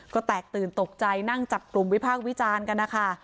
ก็แตกตื่นตกใจนั่งจับกลุ่มวิพากษ์วิจารณ์กันนะคะ